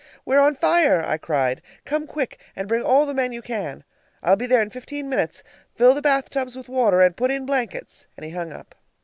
"We're on fire!" I cried. "Come quick, and bring all the men you can!" "I'll be there in fifteen minutes. Fill the bathtubs with water and put in blankets." And he hung up.